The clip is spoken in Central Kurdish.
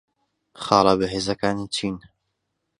خاڵە بەهێزەکانت چین؟